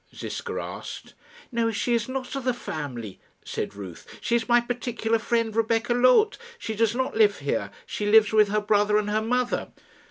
Ziska asked. "No; she is not of the family," said Ruth. "She is my particular friend, Rebecca Loth. She does not live here. She lives with her brother and her mother."